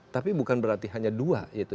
tapi bukan berarti hanya dua itu